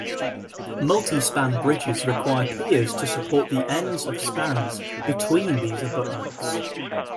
Multi-span bridges require piers to support the ends of spans between these abutments.